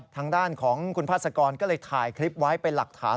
ทางด้านของคุณพาสกรก็เลยถ่ายคลิปไว้เป็นหลักฐาน